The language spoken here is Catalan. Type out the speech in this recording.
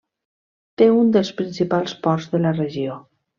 Té un dels principals ports de la regió.